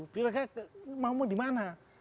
bila mau dimana